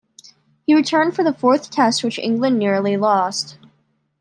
He returned for the fourth Test which England narrowly lost.